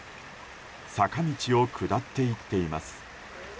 坂道を下っていっています。